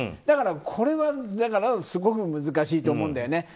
だからこれはすごく難しいと思うんだよね。